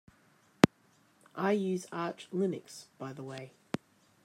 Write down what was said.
I use Arch Linux by the way.